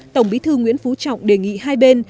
tổng bí thư nguyễn phú trọng đề nghị hai bên